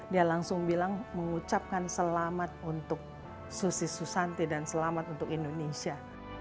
dia langsung bilang mengucapkan selamat untuk susi susanti dan selamat untuk indonesia